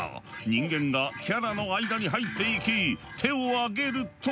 人間がキャラの間に入っていき手をあげると。